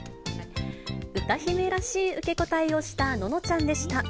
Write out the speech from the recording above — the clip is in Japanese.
歌姫らしい受け答えをしたののちゃんでした。